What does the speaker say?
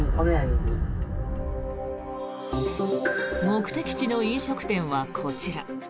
目的地の飲食店はこちら。